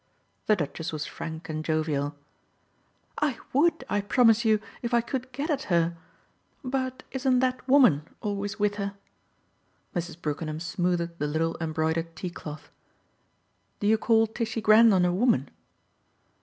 The Duchess was frank and jovial. "I would, I promise you, if I could get at her! But isn't that woman always with her?" Mrs. Brookenham smoothed the little embroidered tea cloth. "Do you call Tishy Grendon a woman?"